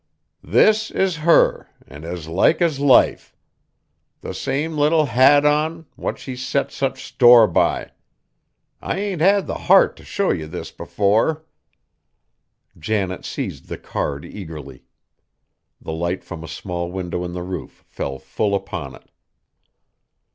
"This is her, an' as like as life! The same little hat on, what she set such store by! I ain't had the heart t' show ye this before." Janet seized the card eagerly. The light from a small window in the roof fell full upon it.